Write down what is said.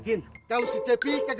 kita main perang perangan yuk